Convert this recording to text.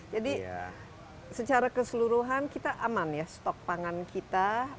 jadi secara keseluruhan kita aman ya stok pangan kita